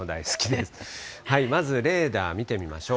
まずレーダー、見てみましょう。